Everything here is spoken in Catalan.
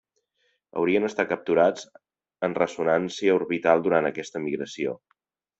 Haurien estat capturats en ressonància orbital durant aquesta migració.